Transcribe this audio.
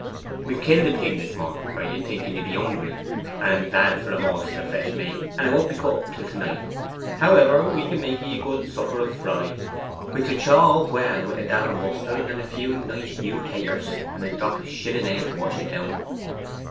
We've killed the pig this morning for ye, thinking ye'd be hungry, and glad of a morsel of fresh mate. And 'a won't be cut up till to night. However, we can make ye a good supper of fry, which will chaw up well wi' a dab o' mustard and a few nice new taters, and a drop of shilling ale to wash it down.